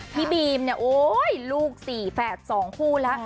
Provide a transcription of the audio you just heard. พี่บีมเนี่ยโอ๊ยลูก๔แฝด๒คู่แล้ว